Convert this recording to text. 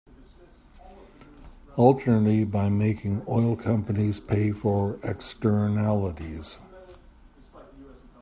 Alternatively, by making oil companies pay for externalities.